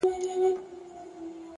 لوړ هدفونه استقامت غواړي!